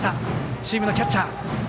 チームのキャッチャー。